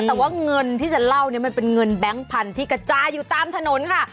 แต่ว่าเงินที่จะเล่าเนี่ยมันเป็นเงินแบงค์พันธุ์ที่กระจายอยู่ตามถนนค่ะ